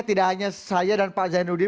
tidak hanya saya dan pak zainuddin